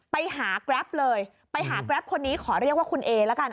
ไปหาแกรปเลยไปหาแกรปคนนี้ขอเรียกว่าคุณเอละกัน